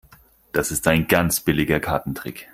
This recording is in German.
Das ist ein ganz billiger Kartentrick.